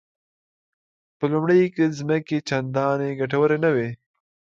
په لومړیو کې ځمکې چندانې ګټورې نه وې.